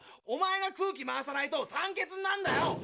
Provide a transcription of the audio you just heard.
おまえが空気回さないと酸欠になんだよ！